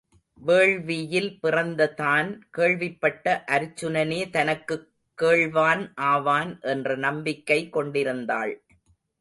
வேள்வியில் பிறந்த தான் கேள்விப்பட்ட அருச்சுனனே தனக்குக் கேள்வன் ஆவான் என்ற நம்பிக்கை கொண்டிருந்தாள்.